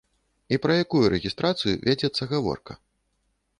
І пра якую рэгістрацыю вядзецца гаворка?